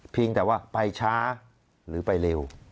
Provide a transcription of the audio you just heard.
เพียงแต่ว่าไปช้าหรือไปเร็ว